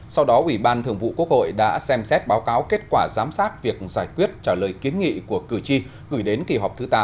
sau đó ủy ban thường vụ quốc hội đã xem xét báo cáo kết quả giám sát việc giải quyết trả lời kiến nghị của cử tri gửi đến kỳ họp thứ tám